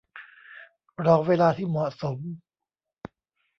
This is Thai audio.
รอเวลาที่เหมาะสม